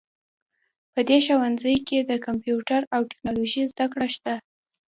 په دې ښوونځي کې د کمپیوټر او ټکنالوژۍ زده کړه شته